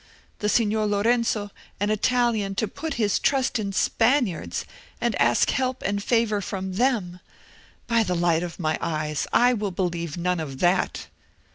The Signor Lorenzo, an Italian, to put his trust in Spaniards, and ask help and favour from them! By the light of my eyes. I will believe none of that!"